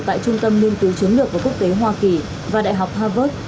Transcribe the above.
tại trung tâm nguyên tứ chứng lược và quốc tế hoa kỳ và đại học harvard